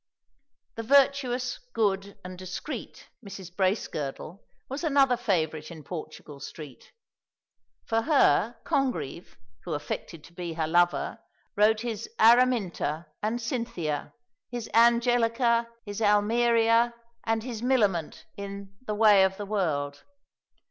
The virtuous, good, and discreet Mrs. Bracegirdle was another favourite in Portugal Street. For her Congreve, who affected to be her lover, wrote his Araminta and Cynthia, his Angelica, his Almeria, and his Millamant in "The way of the world."